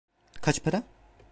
Kaç para?